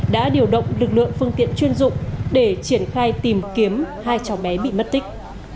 đã điều động lực lượng phương tiện chuyên dụng để triển khai tìm kiếm hai cháu bé bị mất tích